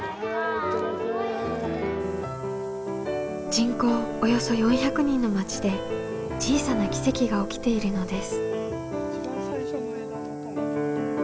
人口およそ４００人の町で小さな奇跡が起きているのです。